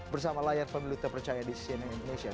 bersama layar pemilu terpercaya di cnn indonesia